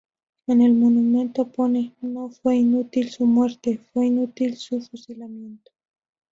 En el monumento pone: "No fue inútil su muerte, fue inútil su fusilamiento".